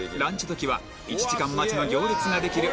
時は１時間待ちの行列ができる